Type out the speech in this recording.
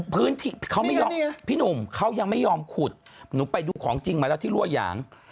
พื้นที่เขาไม่ยอมพี่หนุ่มเขายังไม่ยอมขุดหนูไปดูของจริงมาแล้วที่รั่วหยาง